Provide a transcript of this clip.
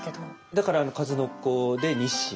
だから数の子でニシン。